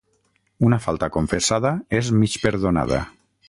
Una falta confessada és mig perdonada.